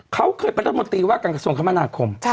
๒เขาเคยบัตรมนตรีว่ากรรมกระทรวงคมธรรมนาคม